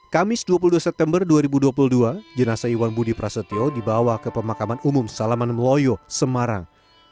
kamis dua puluh dua september dua ribu dua puluh dua jenasa iwan budi prasetyo dibawa ke pemakaman umum salaman meloyo semarang